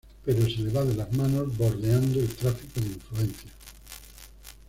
Pero se le va de las manos, bordeando el tráfico de influencias.